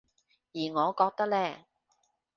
而我覺得呢